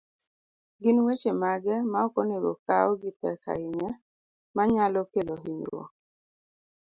gin weche mage ma ok onego okaw gi pek ahinya, manyalo kelo hinyruok